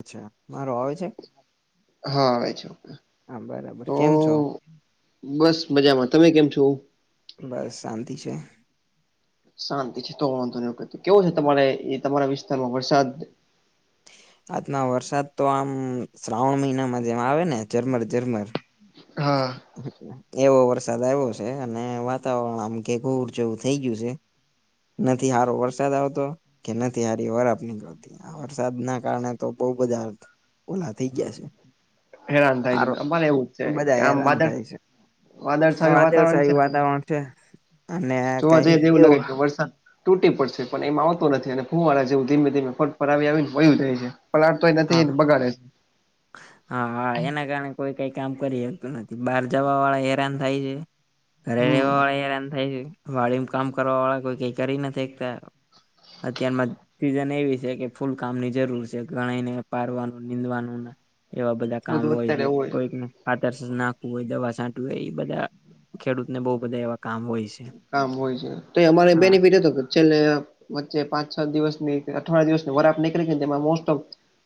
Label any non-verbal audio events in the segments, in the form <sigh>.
અચ્છા, મારો આવે છે. હા આવે છે હા બરાબર, તો કેમ છો? બસ મજામાં. તમે કેમ છો? બસ શાંતિ છે. શાંતિ છે, તો વાંધો નથી, કેવો છે, તમારે એ તમારા વિસ્તારમાં વરસાદ આજના વરસાદ તો આમ શ્રાવણ મહિનામાં જેમ આવે ને ઝરમર ઝરમર હા. એવો વરસાદ આવ્યો છે અને વાતાવરણ આમ કે ઘોર જેવું થઇ ગયું છે. નથી હારો વરસાદ આવતો કે નથી હારી <unintelligible> આ વરસાદના કારણે તો બોવ બધા ઓલા થઈ ગયા છે હેરાન થાય છે હારો બધા અમારે એવું જ છે કે બધા આમ હેરાન વાદળ થાય છે વાદળછાયું વાતાવરણ છે વાદળછાયું ને વાતાવરણ છે અને જોવા કઈ જઈએ તો એવું લાગે કે વરસાદ તૂટી પડશે પણ એમાં આવતો નથી અને ફુંવાળા જેવું ધીમે ધીમે ફટ ફર આવી આવીને વયું જાય છે. પલાળ તો હા નથીને બગાડે છે. હા હા એના કારણે કોઈ કઈ કામ કરી હકતું નથી. બહાર જવા વાળા હેરાન થાય છે રેહવા હમ વાળા હેરાન થાય છે. વાડીમાં કામ કરવા વાળા કોઈ કઈ કરી નથી હકતા. અત્યારમાં સિઝન એવી છે કે ફૂલ કામની જરૂર છે. ગણાય ને પારવાનું નિનીંદવાનું એવા બધા કામ બધું હોય અત્યારે છે એવું કોઈકને ખાતર નાખવું હોય દવા છાંટવી હોય એ બધા ખેડૂતને બોવ બધા એવા કામ હોય છે. કામ છે તો અમારે હા બેનિફિટ હતો કે છેલે વચ્ચે પાંચ છ દિવસની અઠવાડિયા દિવસની વરાપ નીકળી ગઈ તેમાં મોસ્ટ ઓફ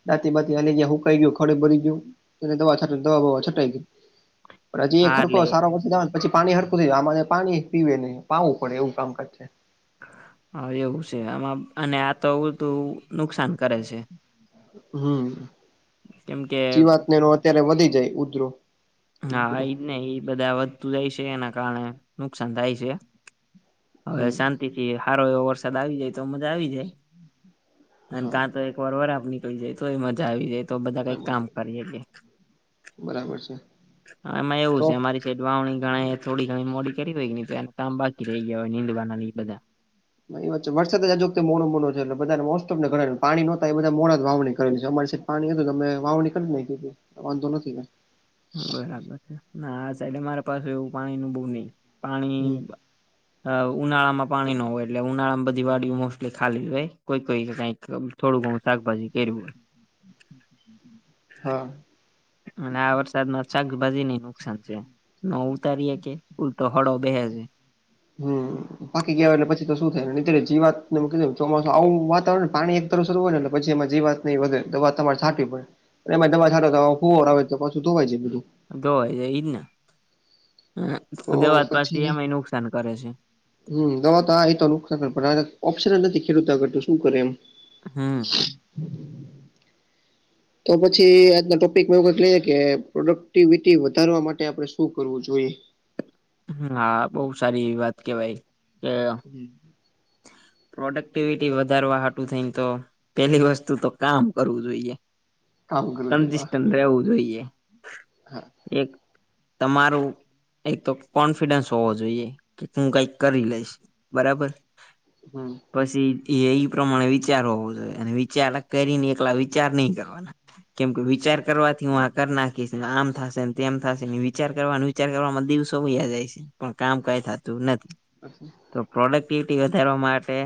દાંત બાતી આલી ગ્યા હુંકાઈ ગયું ખાડો ભરાઈ ગ્યો દવા દવા બવા છટાઈ ગઈ. હજી એ હા હરખો એટલે સારો વરસાદ આવે પછી પાણી હરખું થય આમાં પાણી પીવે નહી પાાવવું પડે એવું કામકાજ છે. હા એવું છે આમાં અને આ ઊડતું નુકસાન કરે છે. હમ કેમ કે જીવાતનેનો અત્યારે વધી જાય ઉધરો હા ઉધરો એ જ ને એ બધા વધતું જાય છે એના કારણે નુકસાન થાય છે. હવે હમ શાંતિથી સારો એવો વરસાદ આવી જાય તો મજા આવી જાય. અને હા કાં તો એક વાર વરાબ નીકળી જાય તો મજા આવી જાય તો બધા કઈક કામ કરી હકે. બરાબર છે. હા એમાં એવું તો છે અમારી છેડ વાવણી ઘણા થોડી ઘણી મોડી કરી હોય તો એ કામ બાકી રહી ગયા હોય નીંદવાનાની બધા એ વાત છે વરસાદ જ આજ વક્તે મોડો મોડો છે એટલે બા મોસ્ટને ઘ પાણી નોતા એ બધા મોડા જ વાવણી કરેલી છે અમારી પાણી હતું તમે વાવણી કર નાખી તી નીકળ વાંધો નથી ભાઈ. બરાબર છે ના આ સાઈડ મારે પાસે એવું પાણીનું બોવ નય પાણી હમ. અ ઉનાળામાં પાણી ન હોય એટલે ઉનાળામાં બધી વાડીઓ મોસ્ટલી ખાલી હોય. કોઈ કોઈ કઈ થોડું ઘણું શાકભાજી કર્યું હા. અને આ વરસાદમાં શાકભાજીને નુકસાન થ્યું. ન ઉતારી હકીએ ઉલટો હળ બે હે છે. હમ. પાકી ગયા એટલે પછી તો શું થાય ને અત્યારે જીવાતને ચોમાસું આવું વાતાવરણને પાણી એક તરફ શું હોય ને એટલે પછી એમાં જીવાત ને વધે દવા તમારે છાંટીવી પડે એમાં દવા છાંટો તો ફુવર આવે તો પાછું ધોવાય જાય બધું ધોવાય જાય એજ ને તો દેવાજ પાછી પછી એમાંય નુકસાન કરે છે. હમ દવા તો આ તો નુકશાન પણ ઓપ્શનલ નથી ખેડૂતો આગળ તો શું કરે એમ હમ. તો પછી આજના ટોપિકમાં એવું લઈએ કે પ્રોડક્ટિવિટી વધારવા માટે આપડણે શું કરવું જોઈએ? હા બઉુ સારી એવી વાત કેવાય કે હમ. પ્રોડક્ટિવિટી વધારવા હાટુ થઈ ને- - પેલી વસ્તુ તો કામ કરવું જોઈએ કરવું જોઈએ વાહ કન્સિસ્ટન્ટ રહેવું જોઈએ. હા એક તમારું- - એક તો કોન્ફિડન્સ હોવો જોઈએ કે હું કઈક કરી લઈશ બરાબર. હમ. પછી એ એ પ્રમાણે વિચાર હોવો જોઈએ અને વિચાર કરીને એકલા વિચાર નહી કરવાના. કેમ કે વિચાર કરવાથી હું આ કર નાખીશ આમ થશે તેમ થશે વિચાર કરવાનું. ાર કરવામાં દિવસો વયા જાય છે પણ કામ કઈ થતું નથી તો પ્રોડક્ટ- - વધારવા માટે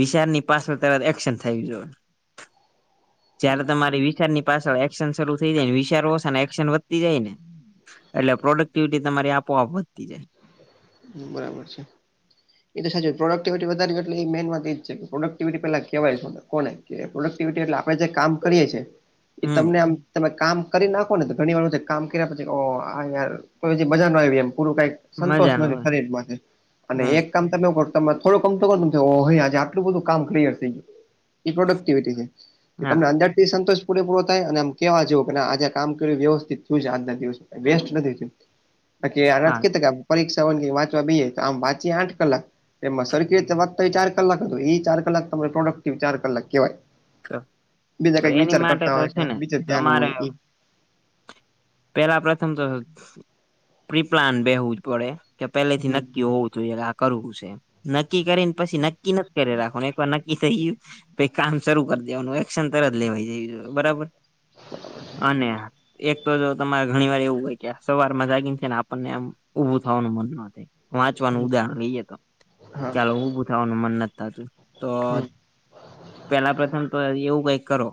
વિચારની પાસડ ત એક્શન થ જોઈએ. જયારે તમારી વિશારની પાછળ એક્શન શરૂ થઈ જાય ને વિચાર ઓછા ને- - વધતી જાય ને એટલે પ્રોડક્ટિવિટી તમારી આપોઆપ વધતી જાય. બરાબર છે. <inaudible> એટ સાચું પ્રોડક્ટિવિટી વધારે એટલે એ મેન વાત એ જ છે કે પ્રોડક્ટિવિટી પહેલા કવાય છેને કોને કે પ્રોડક્ટિવિટી એટલે આપડે જે કામ કરીએ છીએ એ હમ તમને આમ તમે કામ કરી નાખો ને ઘણી વાર કામ કર્યા પછી ઓ યાર તો મજા ન આવ એમ પૂરું કઈક સંતોષ મજાનું નથી હોય શરીર માંથી અને હમ એક કામ ત થોડો કમતો <unintelligible> કરજે આટું બધું કામ ક્લય થ ગયું એ પ્રોડક્ટિવિટી છે. કે તમને હા અંદરથી સંતોષ પૂરેપૂરો થાય અને આમ કેવા કે આજે કામ વ્યવસ્થિત થય દિવસ <unintelligible> વસ્ટ બાકી આનાજ હા કે કામ પરીક્ષા વન વાંચવા બી તો આમ વાંચી આઠ કલાક એમાં સરખી રીતે વાંચતા એ ચાર કલાક હતો એ ચાર કલાક તમા પ્રોડક્ટિવ ચાર કલાક કેવાય. બીજા તો કઈક એની વિચાર માટે કરતા તો હોય છે ને બચ કી ધ્યાન તમારે હોય એ પેલા પ્રથમ તો પ્રિપ્લાન બેહવું જ પડે. કે પેલેથી હમ નક્કી હોવું જોઈએ આ કરવું છે એમ નક્કી કરીને પછી નક્કી રાખવાનું એક વાર નક્કી થઈ ગયું પહી કામ શરૂ કરી દેવાનું એક્શન તરત લેવાઈ જય બરાબર. અને એક તો જો તમારે ઘણી વાર એવું હોય કે સવાર માં જાગીને છે ને આપણને આમ ઊભું થવાનું મન ન થાય. વાંચવાનું હમ ઉદાહરણ લઈએ તો હા ચાલો ઊભું થવાનું મન નથી થતું તો હમ પેલા પ્રથમ તો એવું કઈક કરો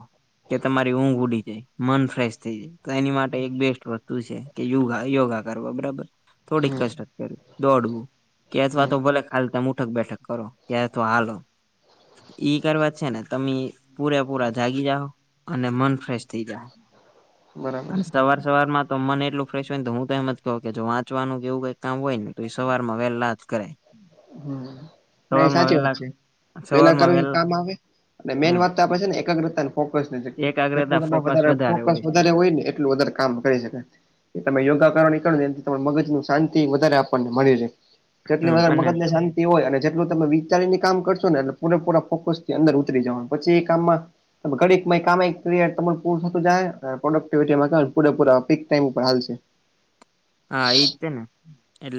કે તમારી ઊંઘ ઉડી જાય મન ફ્રેશ થઈ જાય તો એ એક બેસ્ટ વસ્તુ છે કે યોગા યોગા કરવા બરાબર થોડીક હમ કસરત કરવી દોડવું, કે અથવા હમ તો ભલે ખાલી તમે ઉઠક બેઠક કરો કે અથવા હાલો ઈ કરવા છેને તમે પૂરેપૂરા જાગી જાઓ અને મન ફ્રેશ થઈ જા હે. બરાબર છે સવાર સવાર માં તો મન એટલું ફ્રેશ હોય ને તો હું તો એમ જ કહું કે જો વાંચવાનું એવું કઈ કામ હોય ને તો એ સવાર માં વેલા જ કરાય. હ ન સવારમાં સાચી વાત છે વહેલા પેલા કર સવારમાં એ વહેલા કામ આવે મેન હમ વાત તો ને એકાગ્રતા ફોકસ જેટલું એકાગ્રતા ત ફોકસ વધ વધારે ફોકસ છે. વધારે હોય ને એટલું વધારે કામ કરી શકાય તમે યોગા કરવાની કરોને એથી મગજ શાંતિ વધારે આપણને મળી રહે. તો જેટલી હમ વધાર અને મગજ ને શાંતિ <unintelligible> હોય અને જેટલું તમે વિચારીને કામ કરશો ને એટલે પૂરેપૂરા ફોકસ થી અંદર ઉતરી જવાનું પછી એ કામમાં ઘડીક કામ એક ક્રય તને પૂર થતું જાય પ્રોડક્ટિવિટીમાં પૂરે પૂરા પીક ટાઈમ ઉપર હાલશે. <inaudible> હા ઈ તેેને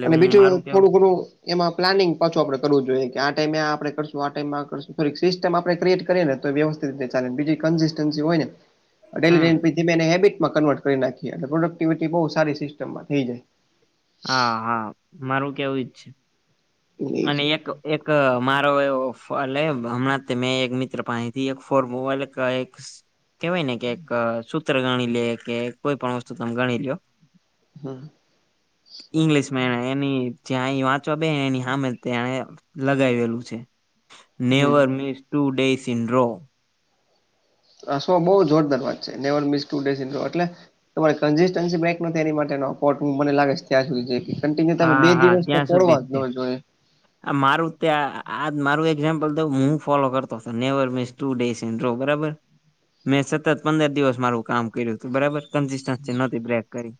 અને બીજું થોડું ઘણું એમાં પ્લાનિંગ પાછું આપડે કરવું જોઈએ કે, આ ટાઈમે આપણે કરશું, આ ટાઈમેશું થોડીક સિસ્ટમ આપણે ક્રિએટ કરીએ ને, તો વ્યવસ્થિત હમ મેેબિટ કન્ર્ <unintelligible> કરી નાખીએ, એટલે પ્રોડક્ટિવિટી બહુ સારી સિસ્ટમમાં થઈ જાય. હા, હા, મારું કેવું જ છે, અને જાય. એક એક મારો એ ફોલ હમણાં મેં એક મિત્ર પાણીથી એક ફોન મોલ કેહેવાય ને કે, એક સૂત્ર ગણી લે કે, કોઈ પણ વસ્તુ તમે ગણી લો. હમ ઈંગ્લિશમાં એની જ્યાં વાંચવા બે એની સામે તેને લગાવેલું છે, હમ never miss two days in row આ શો બહુ જોરદાર વાત છે, never miss two days in એટલે તમારે કન્સિસ્ટન્સી બ્રેક નથી, એની માટેનો કોર્ટ, હું મને લાગે ત્યાં સુધી જે કનટિનયુ તારો હા બે હા દિવસ તો ત્યાં સુધી તોડવા છે જ ન જોઈએ. આ મારું, ત્યાં આ મારું એક્ઝામ્પલ દ હું ફોલો કરતો મિસ. ટુ ડેસ ઈન બરાબર, મેં સતત પંદર દિવસ મારું કામ કર્યું હતું બરાબર. બ્રેક કરી,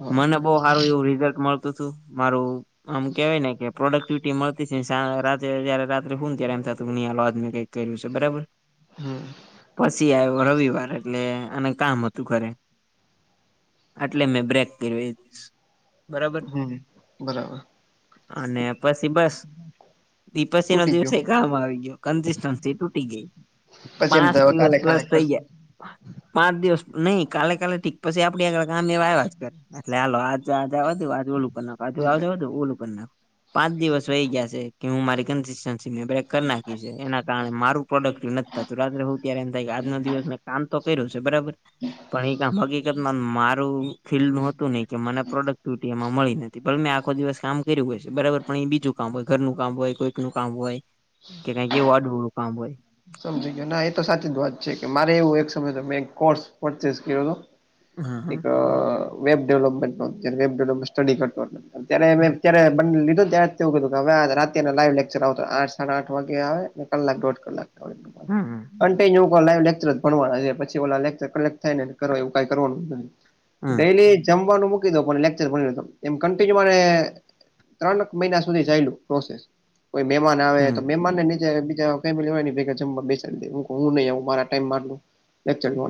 હા મને બ સારું એવું રિઝલ્ટ મળતું તું મારું. આમ કેવાય ને કે. પ્રોડક્ટિવિટી મળતી છે, રાતે જ્યારે રાત્રે શું ને ત્યારે એમ થતું ની, આલો આ કંઈક કર્યું છે બરાબર. હમ. પછી આવ્યો, રવિવાર એટલે અને કામ હતું ઘરે. એટલે મેં બ્રેક કર્યો. બરાબર બરાબર. અને પછી બસ. પછી નો તૂટી ગયું દિવસે કામ આવી ગયો, કન્સિસ્ટન્સી તૂટી ગઈ. પછી એમ પાંચ દિવસ કાલે પ્લસ કાલે થઇ કરશું. ગયા. પાંચ દિવસ નહી, કાલે કાલે ઠીક, પછી આપડી આગળ કામ એવા આવ્યા જ કરે. લ્યો, હાલો આજ આજેજુ આજ ઓલું કર નાખ, આજુ મિત્ર આવજુ ઓલું કરી નાખ. પાંચ દિવસ વહી ગયા, હું મારી કન બ્રેક કરી નાખી છે, એના કારણે મારું પ્રોડક્ટ નથીતા, રાત્રે હું ત્યારે એમ થાય, આજનો દિવસ મે કામ તો કર્યું છે, બરાબર. પણ એ કામ હકીકત મારું ફીલ હતું નહિ કે, મને પ્રોડક્ટિવિટી મળી નથી, પણ મેં આખો દિવસ કામ કર્યું હોય છે, બરાબર, પણ એ બીજું કામ હોય, ઘરનું કામ હોય કો નું કામ હોય કે, કઈ આડુ અવળું કામ હોય. સમજી ગયો ના, એ તો સાચી જ વાત છે કે, મારે એવું એક સમય મેં કોર્સ પરચેસ કર્યો તો. હા એક હા વેબ ડેવલપમેન્ટ નો, વેબ ડેવલપમેન્ટ સ્ટડી કરતો. અત્યારે મે, હમ અત્યારે બ લીધો ત્યારે. એવું કીધું, હવે રાતેને લાઈવ લેકચર આવતા, આઠ-સાડા આઠ વાગે આવે, કલાક દોઢ કલાક. <unintelligible> હમ લાઈ લેક્ચર જ ભવા છે, પી ઓ લેચર કલેક્ટ થાય ને, એવું કઈ કરવાનું જ નથી. ડેલી જમવાનું મૂકી દો, લેક્ચર ભરી દેતો, એમ કિન્યુ ત્રણ મહિના સુધી ચાલું પ્રોસેસ, કોઈ મહેમાન આવે હમ તો, મહેમાન ને નીચે બીજા બેસા દે, હું નહી મારા ટાઈમ મા લેચર જો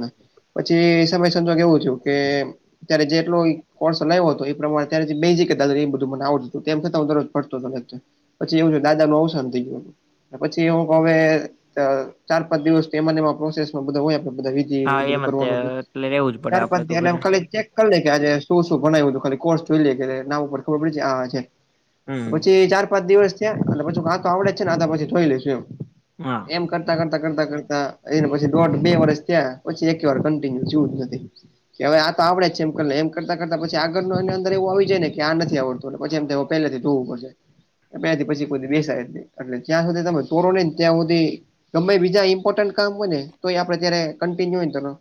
પછી સમ એવું થું કે ત્યારે જેટલો કોર્સ લ્યો હતો, એ પ્રમાણે ત્યારે બેજી, એ બધું મને આવતું હતું, તેમ છતાં હું પડતો પછી એવું છે, દાદા નું અવસાન થઈ ગયું, પછી એવું હવે ચાર-પાંચ દિવસ એ પ્રોસેસમાં બધા હોયે બધ હા એ બધું એમ જ કરવાનું છે એટલે રેવું જ પડે ચાર આપડે પાંચ તો ઘરે <unintelligible> કાલે જ્યારે શું શું ભનાવ્યું હતું ખાલી કોર્સ જોઈ લે કે નામ ઉપર ખબર પડી આ છે. હમ પછી ચાર પાંચ દિવસ થયા એટલે પછું કાં તો આવડે જ છે ને પછી જોઈ લઈશું એમ. હા એમ કર કરતા કરતા કરતા કરતા એને પછી દોઢ બે વર્ષ થ્યાં પછી એક વાર કન્ટિન્યુવ થયું જ નથી. કે હવે આ તો આવડે જ છે એમ કર એમ કરતા કરતા પી આગળ ન એ અંદર એવું આવી જાયને કે આ નથી આવડત પછી એમ થાય અવે પેલેથી જોવું પડશે. <unintelligible> પછી કોઈ બેસાય જ નય, જ્યાં સુધી તમે તોરો નહીને ત્યાં હું તે ગમે એ બીજા ઇમ્પોર્ટ કામ હોયને, તો આપે જ્યારે કોન્ટીનું હોય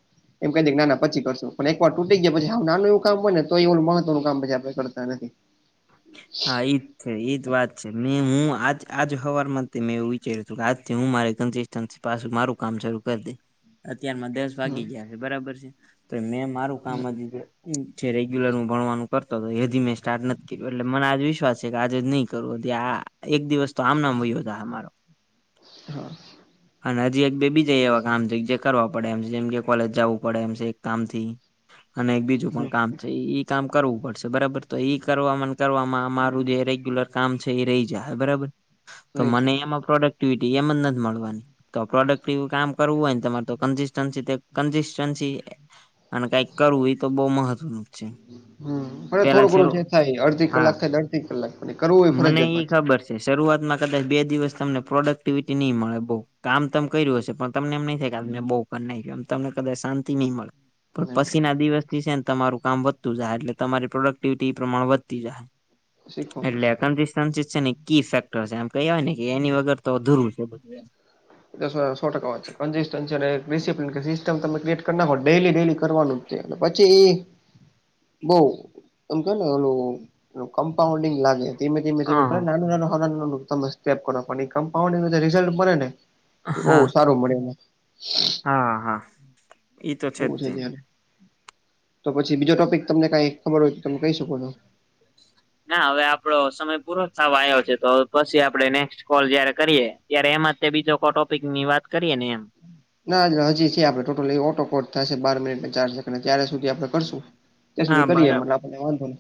એમ કહી દે ના ના પછી કરશું, પણ એકવાર તૂટી ગયા પછી હાવ નાનું એવુ કામ હોય ને તો એ ઓલું મહત્વનું કામ પછી આપણે કરતા નથી. હા એ જ છે એ જ વાત છે મે હું આજ આજ હવારમાં તે મેં એવું <inaudible> આજથી હું મારે કંસસીતનસી પાછું મારું કામ શરૂ કરી દઇશ અત્યારમાં હમ વાગી ગયા છે બરાબર છે તો મેં મારું કામ જ જે રેગ્યુલર હું ભણવાનું કરતો હતો એ હજી મેં સ્ટાર્ટ નથ એટલે મને આજ વિશ્વાસ છે કે આજે જ નહીં કરવો આ એક દિવસ તો આમ ન આમ વયો જાહે મારો. હા. અને હજી એક બે બીજા એવા કામ છે, જે કરવા પડે એમ છે જેમ કે કોલેજ જાવું પડે એમ છે એક કામથી. અને એક બીજું હમ હા પણ કામ તો ઈ કામ કરવું પડશે બરાબર? તો ઈ કરવામાં કરવામાં મારું જે રેગ્યુલર કામ છે એ રહી જાહે બરાબર. તો હોય છે મને એમાં પ્રોડક્ટિવિટી એમ જ નથ મળવાની તો પ્રોડક્ટ એવું કામ કરવું હોય ને તમારે તો કન્સિસ્ટન્સી કન્સિસ્ટન્સી અને કઈક કરવું એ તો બહુ મહત્વનું છે હમ, પેલા થોડું ઘણું શરૂ જે થાય અડધી હા કલાક થાય તો અડધી કલાક કરવું હોય મને ફરજયાત ઈ પાછું. ખબર શરૂઆતમાં કદાચ બે દિવસ તમને પ્રોડક્ટિવિટી નહી મળે બઉ. કામ તમ કર્યું હશે પણ તમને એમ નહી થાય કે આજ મેં બઉ કર નાખ્યું એમ તમને કદાચ શાંતિ નહી મળે. પણ નહી પછીના દિવસની છે ને તમારું કામ વધતું જાય એટલે તમારી પ્રોડક્ટિવિટી પ્રમાણ વધતી જાહે. શીખવા એટલે મળશે કન્સિસ્ટન્સી છે ને કી ફેક્ટર છે એમ કેહવાય ને કે એની વગર તો અધુરું છે બધું એમ. એ સોય સો ટકા વાત છે. કંસિસ્ટનસી અને એ રિસપ્ન સિસ્ટમ તમે ક્રિએટ કર નાખો. ડેઈલી ડેલી કરવાનું કે પછી એ બઉ એમ કેને એનું કમ્પાઉન્ડિંગ લાગે ધીમે ધીમે ધીમે હા પણ નાનું નાનું <inaudible> તમે સ્ટેપ કરો પણ એ કમ્પાન્ રિઝલ્ટ મળે ને બહુ સારું મળે એમાં. હા હા. ઈ તો જ એવું છે તે ત્યાં એમ. તો પછી બીજો ટોપિક તમને કઈ ખબર હોય તો તમે કહી શકો છો. ના હવે આપડો સમય પૂરો થવા આવ્યો છે, તો પછી આપડે નેક્સ્ટ કોલ જયારે કરીએ ત્યારે એમાં તે બીજો કો ટોપિકની વાત કરીએ ને એમ. ના હજી છે આપડે ટોટલ એ ઓટો કોટ થશે બાર મિનિટ ને ચાર સેકન્ડ ત્યાર સુધી આપડે કરશું ત્યાં હા સુધી કરીએ બરાબર એમ આપણને વાંધો નય.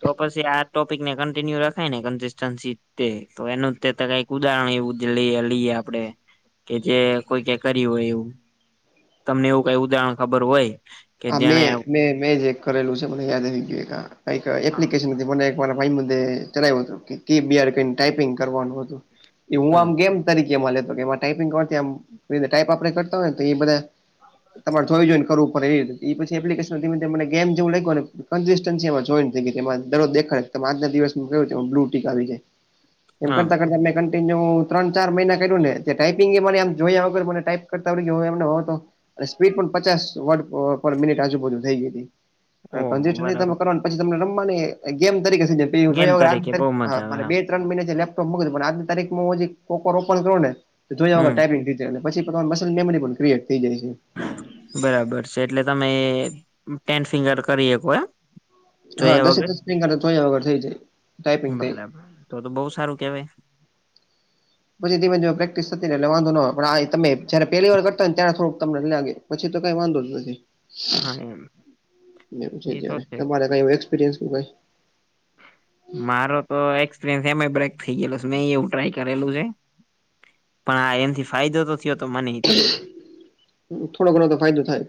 તો પછી આ ટોપિકને કન્ટિન્યુ રખાય ને કન્સસ્ટન્સી તે તો એનું તે કય ઉદાહરણ એવું લઈ લઈએ આપડે, કે જે કોઈ કે કર્યું હોય એવું. તમને એવું કઈ ઉદાહરણ ખબર હોય કે આ જેને મેં મેં મેં જે કરેલું છે મને યાદ આવી ગયું કાઈ કંઈક એપ્લિકેશન મને મારા ભાઈબધે ચલાય્યું હતું કે ટીબીઆર કરીન ટાઈપિંગ કરવાનું હતું એ હું હમ આમ ગેમ તરીકે એમાં <unintelligible> લેમાં ટાઈપિંગમ ટાઈપ આપણે કરતા હોય ને તો એ બધા તમારે જોઈ જોઈ ને કરવું પડે એ જ. એ પછી એપ્લિકેશન ધીમે ધીમે મને ગેમ જેવું લાગ્યું ને <unintelligible> એમાં જોઈન્ટ થઈ ગઈ એમાં દડો દેખાય. તો એમા આજના દિવસનું જોયું તો બ્લુ ટીક આવી જાય. <unintelligible> એમ કરતાં કરતાં મે <unintelligible> <unintelligible> ત્રણ ચાર મહિના કર્યું ને તે ટાઈપિંગ એ મને આમ જોયા વગર મને ટાઈપ કરતા આવડી ગયુ એમને હો તો અને સ્પીડ પણ પચાસ વર્ડ પ પર મિનિટ આજુબાજુ થઈ ગઈ હતી <unintelligible> ઓહ પણ બરાબર પછી તમને રમવાની ગેમ ગેમ બહુ મજા આવે હા તરીકે <unintelligible> ત્રણ મહિના જે લેપટોપ <unintelligible> પણ આજની તારીખમાં હું હજી <unintelligible> ઓપન કરું ને તો જોયા વગર હમ ટાઈપિંગ <unintelligible> અને પછી મસલ મેમરી પણ ક્રિએટ થઈ જાય છે. બરાબર છે એટલે તમે ટેન ફિંગર કરી હકો એમ. હા જોયા દસે વગર દસ ફિગરે જોયા વગર થઈ જાય ટાઈપિંગ થઈ જાય. બરાબર તો તો બઉુ સારું કેવાય. પછી ધીમે ધીમે પ્રેક્ટિસ થતી રે એટલે વાંધો નો આવે પણ હા એ તમેં જયારે પહેલી વાર કરતા હોયને ત્યારે સુધી થોડુંક તમને લાગે. પછી તો કઈ વાંધો જ નથી. હા એમ એવુ છે એ તો જ્યારે તમારે કાઈ એવો એક્સપિરયન્સ ભાઈ મારો તો એક્સપિરિયન્સ એમાય બ્રેક થઇ ગયેલો છે મે એવું ટ્રાય કરેલું છે. પણ હા એનથી ફાયદો તો થયો તો મને ઇ તે. હ થોડો ઘણો તો ફાયદો થાય.